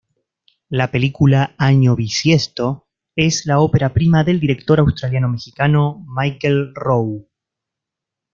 La película "Año bisiesto" es la opera prima del director australiano-mexicano Michael Rowe.